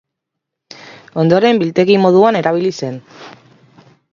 Ondoren biltegi moduan erabili zen.